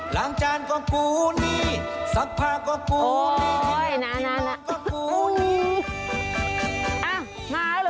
หลังจานก็กูนี่ศักดิ์ผ้าก็กูนี่หลังจานก็กูนี่